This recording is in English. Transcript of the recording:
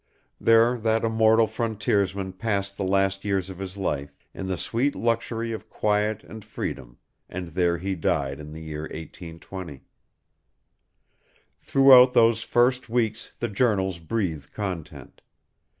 There that immortal frontiersman passed the last years of his life, in the sweet luxury of quiet and freedom; and there he died in the year 1820. Throughout those first weeks the journals breathe content.